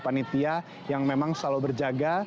panitia yang memang selalu berjaga